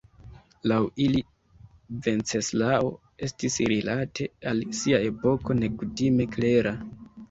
Laŭ ili Venceslao estis rilate al sia epoko nekutime klera.